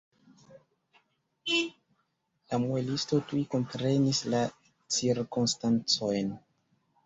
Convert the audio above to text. La muelisto tuj komprenis la cirkonstancojn.